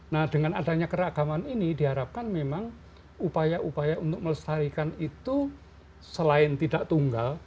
nah dengan adanya keragaman ini diharapkan memang upaya upaya untuk melestarikan itu selain tidak tunggal